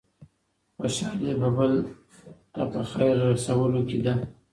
خوشحالي په بل ته په خیر رسولو کي ده.